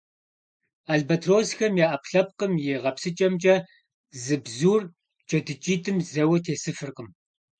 Албатросхэм я Ӏэпкълъэпкъым и гъэпсыкӀэмкӀэ, зы бзур джэдыкӀитӀым зэуэ тесыфыркъым.